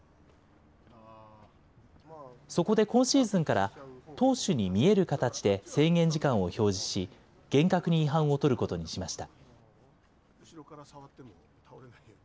そこで今シーズンから投手に見える形で制限時間を表示し、厳格に違反をとることにしました。